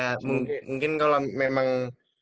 ya mungkin kalo memang